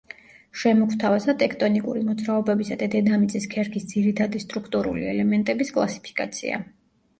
შემოგვთავაზა ტექტონიკური მოძრაობებისა და დედამიწის ქერქის ძირითადი სტრუქტურული ელემენტების კლასიფიკაცია.